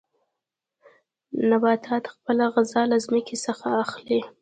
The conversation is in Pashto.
نباتات خپله غذا له ځمکې څخه اخلي.